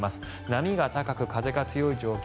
波が高く風が強い状況